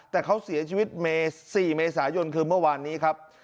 แต่เขาเสียชีวิต๔เมษายนคือเมื่อวานนี้ครับ